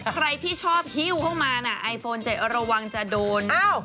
ใครที่ชอบฮิวเข้ามาไอโฟน๗ระวังจะโดนจับ